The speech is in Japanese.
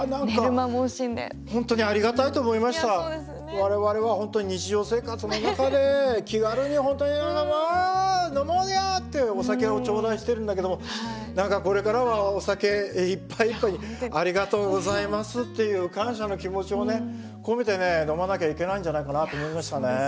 我々は本当に日常生活の中で気軽に本当に。わ飲もうよってお酒を頂戴してるんだけども何かこれからはお酒一杯一杯にありがとうございますっていう感謝の気持ちをね込めてね飲まなきゃいけないんじゃないかなって思いましたね。